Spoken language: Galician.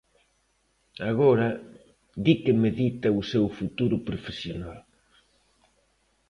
Agora, di que medita o seu futuro profesional.